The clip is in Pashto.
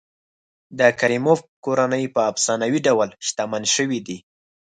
د کریموف کورنۍ په افسانوي ډول شتمن شوي دي.